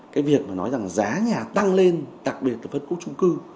cái việc mà nói rằng giá nhà tăng lên đặc biệt là phân khúc trung cư